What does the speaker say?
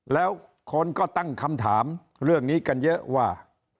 แล้วคนก็ตั้งคำถามเรื่องนี้กันเยอะว่า